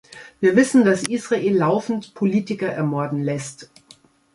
Wir wissen, dass Israel laufend Politiker ermorden lässt.